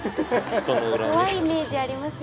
怖いイメージありますよね。